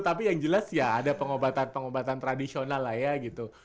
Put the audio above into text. tapi yang jelas ya ada pengobatan pengobatan tradisional lah ya gitu